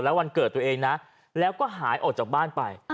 แล้ววันเกิดตัวเองนะแล้วก็หายออกจากบ้านไป